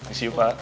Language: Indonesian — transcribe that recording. isi bu pak